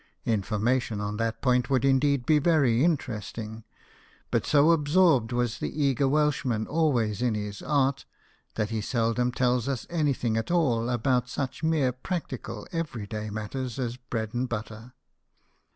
Information on that point would indeed be very interesting ; but so absorbed was the eager Welshman always in his art, that he seldom tells us anything at all about such mere practical every day matters as bread and butter.